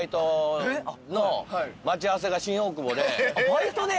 バイトで？